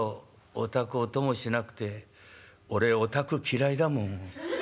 お宅お供しなくて俺お宅嫌いだもん。